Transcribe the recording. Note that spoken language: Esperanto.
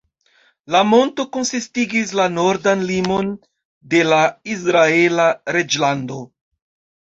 La monto konsistigis la nordan limon de la Izraela reĝlando.